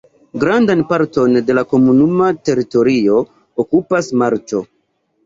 Grandan parton de la komunuma teritorio okupas marĉo.